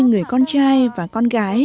người con trai và con gái